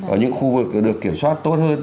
ở những khu vực được kiểm soát tốt hơn